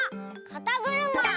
「かたぐるま」！